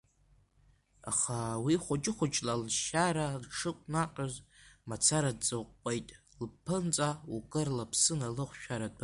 Аха уи хәыҷы-хәыҷла лшьара дшықәнаҟьоз мацара дҵыкәкәеит, лԥынҵа укыр лыԥсы налыхшәаратәы.